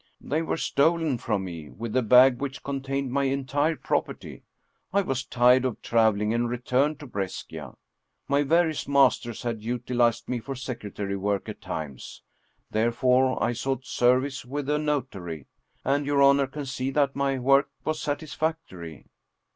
" They were stolen from me, with the bag which con tained my entire property. I was tired of traveling and returned to Brescia. My various masters had utilized me for secretary work at times. Therefore I sought service with a notary, and your honor can see that my work was satisfactory."